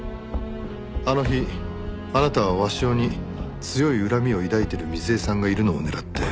あの日あなたは鷲尾に強い恨みを抱いている瑞枝さんがいるのを狙って。